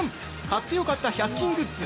買ってよかった１００均グッズ